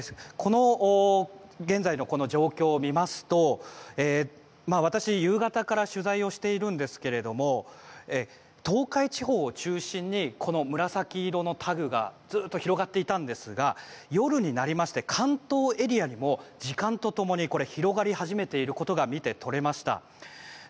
現在の状況を見ますと私、夕方から取材をしているんですけど東海地方を中心にこの紫色のタグがずっと広がっていたんですが夜になりまして関東エリアでも時間と共に広がり始めていることが見て取れました。